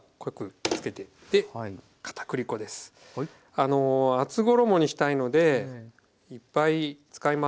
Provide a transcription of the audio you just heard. あの厚衣にしたいのでいっぱい使います。